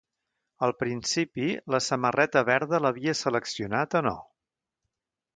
Al principi, la samarreta verda l'havia seleccionat o no?